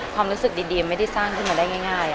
ความรู้สึกดีไม่ได้สร้างขึ้นมาได้ง่าย